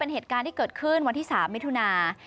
เหตุการณ์ที่เกิดขึ้นวันที่๓มิถุนา